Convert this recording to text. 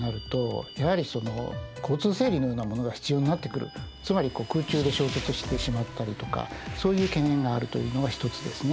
私もですねつまり空中で衝突してしまったりとかそういう懸念があるというのが一つですね。